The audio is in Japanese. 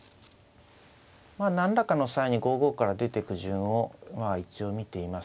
まあ何らかの際に５五から出てく順をまあ一応見ています。